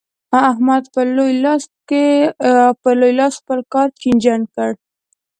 احمد په لوی لاس خپل کار چينجن کړ.